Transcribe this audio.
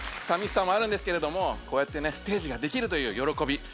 さみしさもあるんですけれどもこうやってねステージができるというよろこび